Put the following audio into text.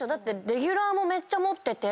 レギュラーもめっちゃ持ってて。